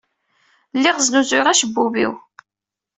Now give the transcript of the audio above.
Lliɣ snuzuyeɣ acebbub-iw.